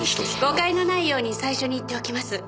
誤解のないように最初に言っておきます。